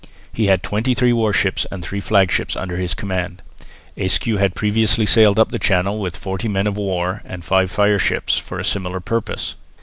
He had twenty three warships and three fireships under his command. Ayscue had previously sailed up Channel with forty men of war and five fireships for a similar purpose.